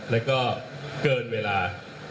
แล้วก็เกินเวลา